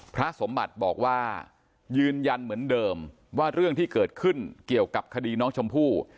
พระสมบัติบอกว่ายืนยันเหมือนเดิมว่าเรื่องที่เกิดขึ้นเกี่ยวกับคดีน้องชมพู่